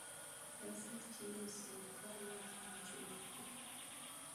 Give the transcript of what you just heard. راځئ چې يو سوکاله افغانستان جوړ کړو.